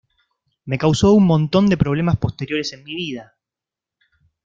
Me causó un montón de problemas posteriores en mi vida".